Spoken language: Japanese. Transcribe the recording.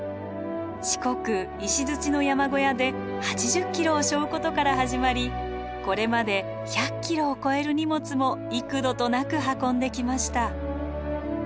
四国石の山小屋で８０ｋｇを背負うことから始まりこれまで１００ｋｇを超える荷物も幾度となく運んできました。